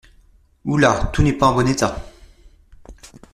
Ouhlà, tout n'est pas en bon état.